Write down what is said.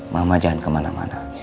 mama jangan kemana mana